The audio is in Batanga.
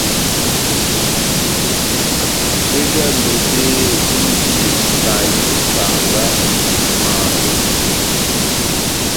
Wéh já Lobe indi mbayi, kanga, mando,